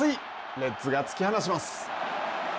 レッズが突き放します。